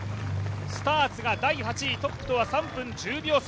スターツが第８位、トップとは３分１０秒差。